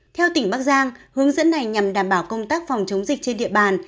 theo tỉnh bắc giang hướng dẫn này nhằm đảm bảo công tác phòng chống dịch trên địa bàn